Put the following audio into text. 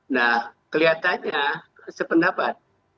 nah kelihatannya sependapat